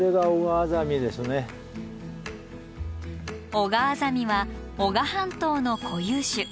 オガアザミは男鹿半島の固有種。